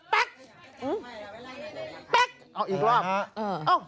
เอาอีกรอบ